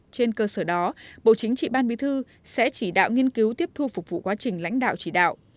trên cơ sở đó bộ chính trị ban bí thư sẽ chỉ đạo nghiên cứu tiếp thu phục vụ quá trình lãnh đạo chỉ đạo